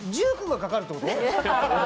１９がかかるってこと？